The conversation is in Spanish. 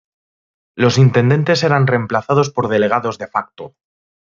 Los intendentes eran reemplazados por delegados de facto.